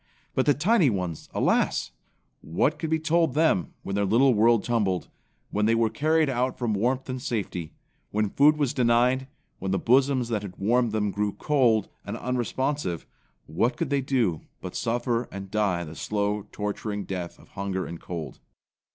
But the tiny ones, alas! What could be told them when their little world tumbled, when they were carried out from warmth and safety, when food was denied; when the bosoms that had warmed them grew cold and unresponsive, what could they do but suffer and die the slow, torturing death of hunger and cold?